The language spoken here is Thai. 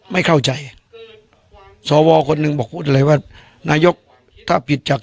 ไม่เข้าใจสวคนหนึ่งบอกพูดเลยว่านายกถ้าผิดจาก